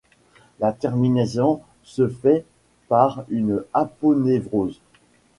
La terminaison se fait par une aponévrose.